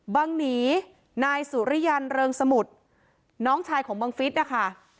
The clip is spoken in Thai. บังหนีนายสุริยันเริงสมุทรน้องชายของบังฟิศนะคะ